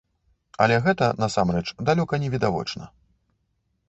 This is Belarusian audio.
Але гэта, насамрэч, далёка не відавочна.